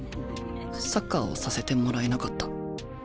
サッカーをさせてもらえなかった。